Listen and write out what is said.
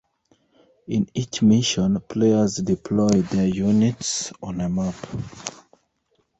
In each mission, players deploy their units on a map.